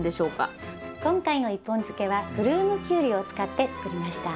今回の１本漬けはブルームキュウリを使って作りました。